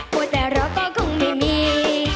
ว่าแต่เราก็คงไม่มี